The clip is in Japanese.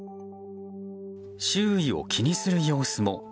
周囲を気にする様子も。